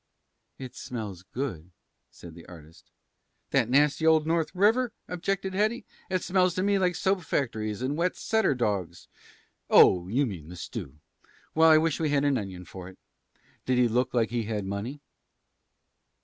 "It smells good," said the artist. "That nasty old North River?" objected Hetty. "It smells to me like soap factories and wet setter dogs oh, you mean the stew. Well, I wish we had an onion for it. Did he look like he had money?"